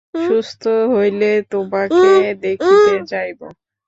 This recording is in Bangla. সুস্থ হইলে তোমাকে দেখিতে যাইব।